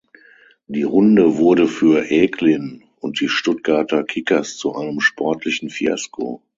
Die Runde wurde für Eglin und die Stuttgarter Kickers zu einem sportlichen Fiasko.